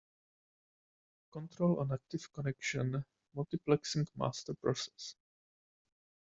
Control an active connection multiplexing master process.